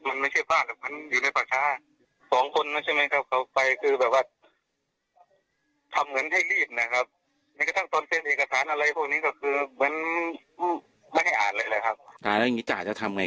ตอนนี้ก็ปรึกษากับผู้บังคับบัญชานะครับไปก่อน